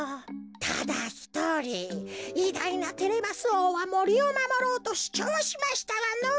ただひとりいだいなテレマスおうはもりをまもろうとしゅちょうしましたがのぉ。